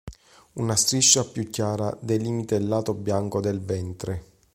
Una striscia più chiara delimita il lato bianco del ventre.